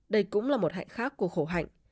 đây cũng là một hạnh khác của khổ hạnh